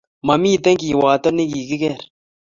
Mamitei kiwato nikikeker